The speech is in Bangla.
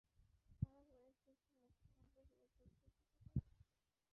তারা কুরাইশদেরকে মুসলমানদের বিরুদ্ধে উত্তেজিত করে।